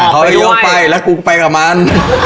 เขาไปที่ตรงนั้นไปแล้วกูไปกับมัน